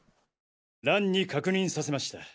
蘭に確認させました。